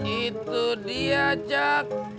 itu dia jok